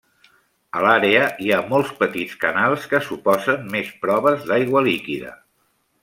A l'àrea hi ha molts petits canals que suposen més proves d'aigua líquida.